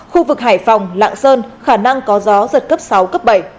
khu vực hải phòng lạng sơn khả năng có gió giật cấp sáu cấp bảy